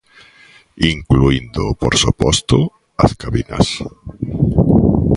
Incluíndo, por suposto, as cabinas.